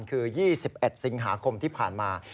คือ๒๑สิงหาคมที่ผ่านมา